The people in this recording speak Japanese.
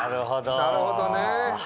なるほどね。